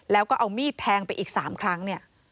แล้วก็เอามีดแทงไปอีก๓ครั้งเนี่ย